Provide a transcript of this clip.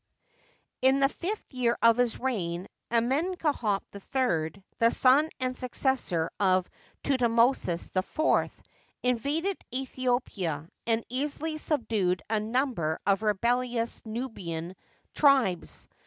In the fifth year of his reign, Amenhdtep III, the son and successor of Thutmosis IV, invaded Aethiopia, and easily subdued a number of rebellious Nubian tribes.